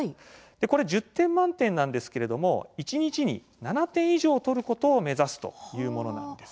これ１０点満点なんですけれども一日に７点以上取ることを目指すというものなんです。